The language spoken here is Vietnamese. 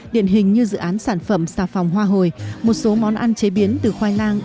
điện hình như dự án sản phẩm xà phòng hoa hồi một số món ăn chế biến từ khoai lang